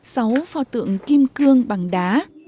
sáu pho tượng kim cương bằng đá